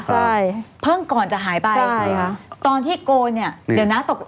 ใช่เพิ่งก่อนจะหายไปใช่ค่ะตอนที่โกนเนี้ยเดี๋ยวนะตก